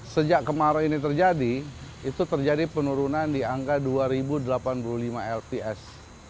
sejak kemarau ini terjadi itu terjadi penurunan di angka dua delapan puluh lima lps